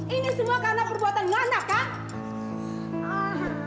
ini semua karena perbuatan anak kak